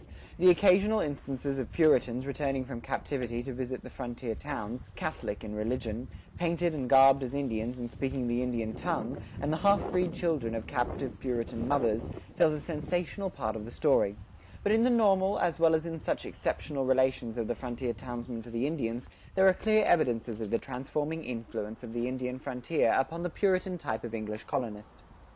The occasional instances of Puritans returning from captivity to visit the frontier towns, Catholic in religion, painted and garbed as Indians and speaking the Indian tongue,[44:3] and the half breed children of captive Puritan mothers, tell a sensational part of the story; but in the normal, as well as in such exceptional relations of the frontier townsmen to the Indians, there are clear evidences of the transforming influence of the Indian frontier upon the Puritan type of English colonist.